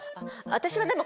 私はでも。